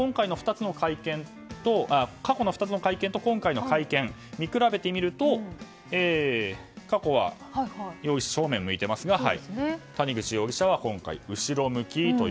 ただ、過去の２つの会見と今回の会見、見比べてみると過去は正面を向いていますが谷口容疑者は後ろ向きと。